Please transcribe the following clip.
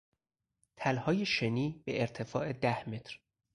تلهای شنی به ارتفاع ده متر